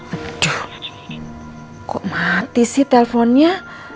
aduh kok mati sih telponnya